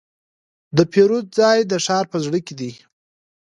د پیرود ځای د ښار په زړه کې دی.